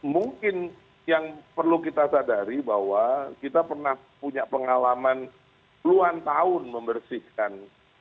mungkin yang perlu kita sadari bahwa kita pernah punya pengalaman puluhan tahun membersihkan